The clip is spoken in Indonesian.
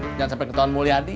jangan sampai ketahuan mulia di